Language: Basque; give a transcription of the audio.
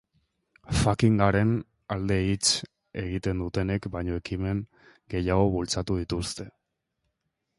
Frackingaren alde hitz egiten dutenek baino ekimen gehiago bultzatu dituzte.